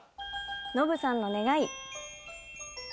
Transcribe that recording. ノブさんの願い。